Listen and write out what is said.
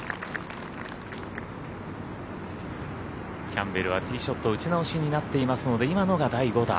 キャンベルはティーショットを打ち直しになっていますので今のが第５打。